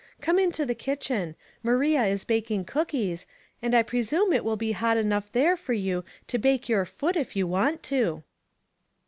Come into the kitchen ; Maria is baking cookies, and I pre 8 Household Puzzler, sume it will be hot enough there for you to bake your foot if you want to."